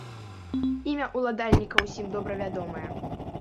Імя ўладальніка ўсім добра вядомае.